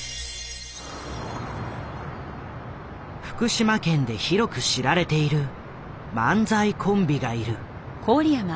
福島県で広く知られている漫才コンビがいる。